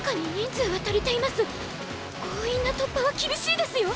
強引な突破は厳しいですよ！